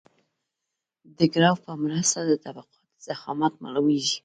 د ګراف په مرسته د طبقاتو ضخامت معلومیږي